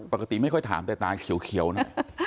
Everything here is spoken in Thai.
ปกติไม่ค่อยถามแต่ตาเขียวหน่อย